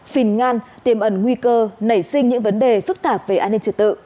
phìn ngăn tiềm ẩn nguy cơ nảy sinh những vấn đề phức tạp về an ninh trực tự